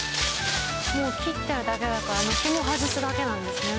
もう切ってあるだけだから紐外すだけなんですね。